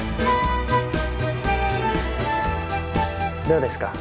どうですか？